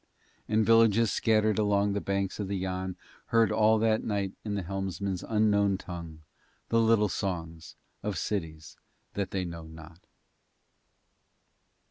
And villages scattered along the banks of the Yann heard all that night in the helmsman's unknown tongue the little songs of cities that they know not.